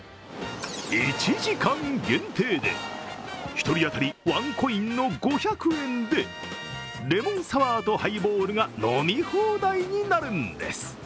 １時間限定で１人当たりワンコインの５００円でレモンサワーとハイボールが飲み放題になるんです。